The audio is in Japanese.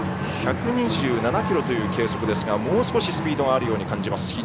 １２７キロという計測ですがもう少しスピードがあるように感じます。